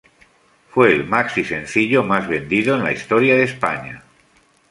Fue el maxi sencillo más vendido en la historia de España.